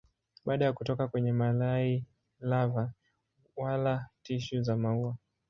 Baada ya kutoka kwenye mayai lava wala tishu za maua.